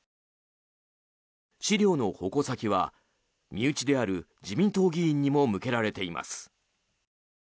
資料の矛先は、身内である自民党議員にも向けられています。